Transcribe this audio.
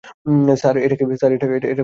Sir, এটা কি আদৌ করা সম্ভব?